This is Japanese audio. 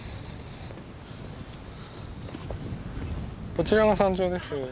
こちらが山頂です。